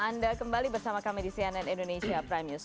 anda kembali bersama kami di cnn indonesia prime news